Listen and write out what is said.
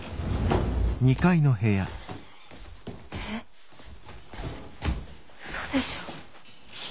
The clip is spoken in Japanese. えっウソでしょ。